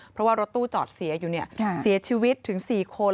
เพราะว่ารถตู้จอดเสียอยู่เสียชีวิตถึง๔คน